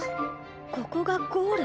ここがゴール？